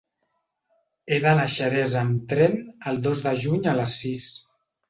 He d'anar a Xeresa amb tren el dos de juny a les sis.